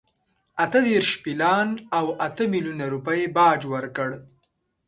اته دېرش پیلان او اته میلیونه روپۍ باج ورکړ.